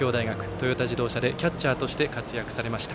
トヨタ自動車でキャッチャーとして活躍されました。